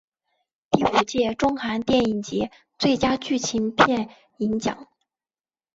第五届中韩电影节最佳剧情片银奖。